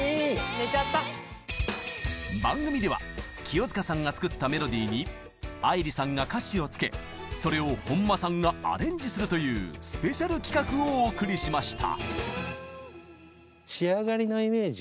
番組では清塚さんが作ったメロディーに愛理さんが歌詞を付けそれを本間さんがアレンジするというスペシャル企画をお送りしました！